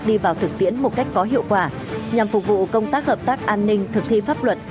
đi vào thực tiễn một cách có hiệu quả nhằm phục vụ công tác hợp tác an ninh thực thi pháp luật